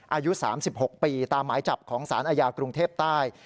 อายุ๓๖ปีตามหมายจับของสารอาญากรุงเทพใต้